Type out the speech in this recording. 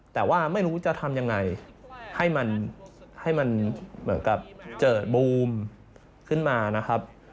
แต่ว่าไม่รู้จะทำยังไงให้มันให้มันเหมือนกับเจอบูมขึ้นมานะครับ